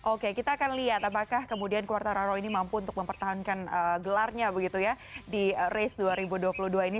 oke kita akan lihat apakah kemudian quartararo ini mampu untuk mempertahankan gelarnya begitu ya di race dua ribu dua puluh dua ini